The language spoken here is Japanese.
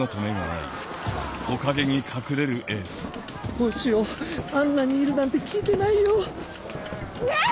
どうしようあんなにいるなんて聞いてないよ。ねぇ！